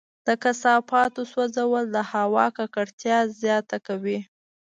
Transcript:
د کثافاتو سوځول د هوا ککړتیا زیاته کوي.